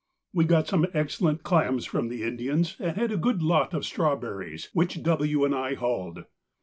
We got some excellent clams from the Indians, and a good lot of strawberries which W. and I hulled.